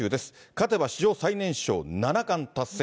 勝てば史上最年少七冠達成。